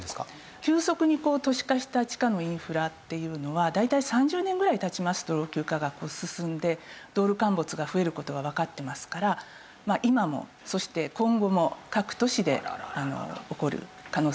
急速に都市化した地下のインフラっていうのは大体３０年ぐらい経ちますと老朽化が進んで道路陥没が増える事がわかってますから今もそして今後も各都市で起こる可能性があるという事です。